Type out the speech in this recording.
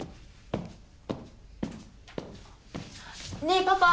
ねえパパ。